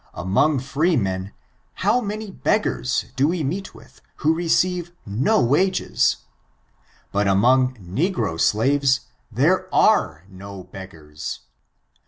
Among freemen, how many beggars do we meet with, who have received no wages ? But among negro slaves there are no beggars.